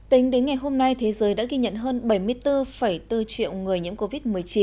tính đến ngày hôm nay thế giới đã ghi nhận hơn bảy mươi bốn bốn triệu người nhiễm covid một mươi chín